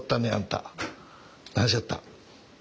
何しよった？